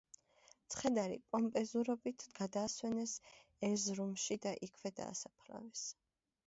ცხედარი პომპეზურობით გადაასვენეს ერზრუმში და იქვე დაასაფლავეს.